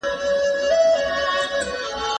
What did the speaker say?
ستاله غېږي به نن څرنګه ډارېږم